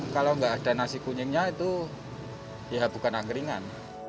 kalau nggak ada nasi kunyingnya itu ya bukan angkringan